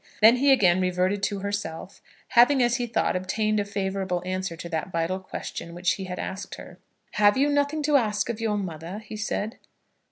Then he again reverted to herself, having as he thought obtained a favourable answer to that vital question which he had asked her. "Have you nothing to ask of your mother?" he said.